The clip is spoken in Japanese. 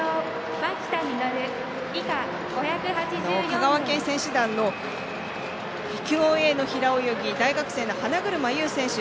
香川県選手団の競泳の平泳ぎ大学生の花車優選手。